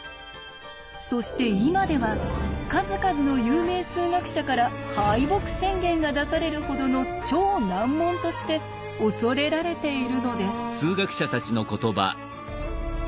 そして今では数々の有名数学者から敗北宣言が出されるほどの超難問として恐れられているのです。